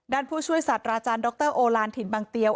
ผู้ช่วยสัตว์อาจารย์ดรโอลานถิ่นบางเตียว